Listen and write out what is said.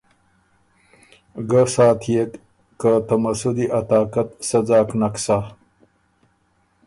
ګۀ ساتئېک که ته مسُودی ا طاقت سۀ ځاک نک سَۀ۔